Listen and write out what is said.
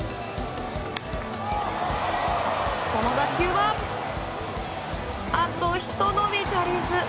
この打球はあとひと伸び足りず。